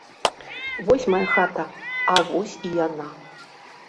Вось мая хата, а вось і яна.